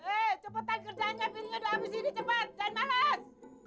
hei cepetan kerjaannya piringnya udah habis ini cepat jangan malas